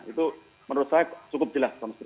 itu menurut saya cukup jelas